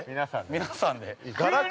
◆皆さんで。